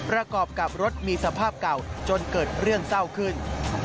ประกอบกับรถมีสภาพเก่าจนเกิดเรื่องเศร้าขึ้น